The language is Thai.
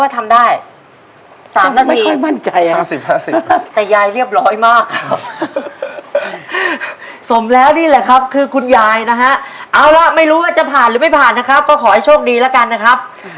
ตอนนี้นะครับยายจ๋าอย่าอย่าห่วงสวยนักนะ